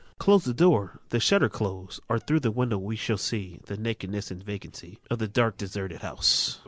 Close the door, the shutters close, Or throÆ the windows we shall see The nakedness and vacancy Of the dark deserted house.